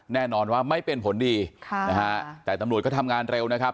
แน่นอนว่าไม่เป็นผลดีค่ะนะฮะแต่ตำรวจก็ทำงานเร็วนะครับ